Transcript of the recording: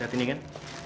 lihat ini kan